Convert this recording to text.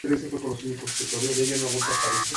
Trabajó en varias comedias dirigidas por Carlos Schlieper.